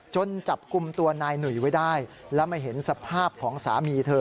จับกลุ่มตัวนายหนุ่ยไว้ได้แล้วมาเห็นสภาพของสามีเธอ